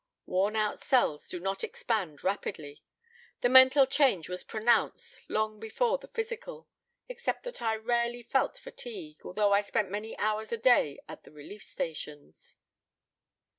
Worn out cells do not expand rapidly. The mental change was pronounced long before the physical, except that I rarely felt fatigue, although I spent many hours a day at the relief stations."